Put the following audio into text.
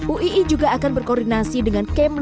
uii juga akan berkoordinasi dengan kemlu dan kjri new york